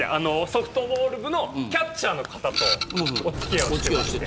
ソフトボール部のキャッチャーの方とお付き合いをしていて。